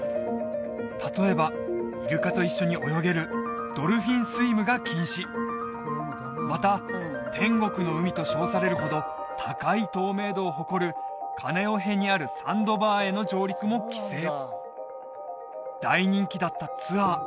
例えばイルカと一緒に泳げるドルフィンスイムが禁止また天国の海と称されるほど高い透明度を誇るカネオヘにあるサンドバーへの上陸も規制大人気だったツアー